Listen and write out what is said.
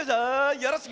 よろしく！